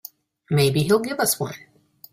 Maybe he'll give us one.